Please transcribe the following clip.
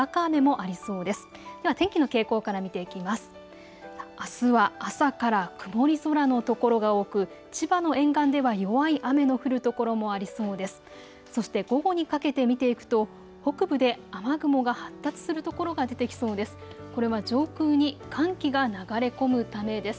あすは朝から曇り空の所が多く千葉の沿岸では弱い雨の降る所もありそうです。